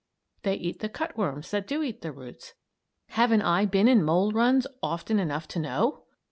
They eat the cutworms that do eat the roots. Haven't I been in mole runs often enough to know!